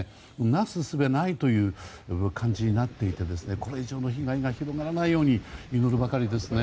なす術がないという感じになっていてこれ以上の被害が広がらないように祈るばかりですね。